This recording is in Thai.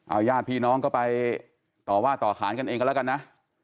เอาญาติพี่น้องก็ไปต่อว่าต่อขานกันเองก็แล้วกันนะ